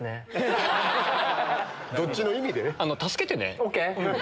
どっちの意味で⁉